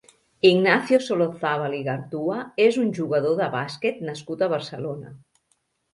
Ignacio Solozábal Igartua és un jugador de bàsquet nascut a Barcelona.